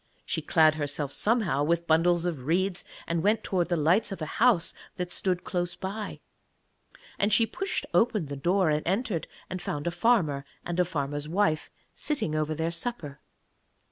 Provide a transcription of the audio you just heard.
She clad herself somehow with bundles of reeds, and went towards the lights of a house that stood close by. And she pushed open the door and entered, and found a farmer and a farmer's wife sitting over their supper.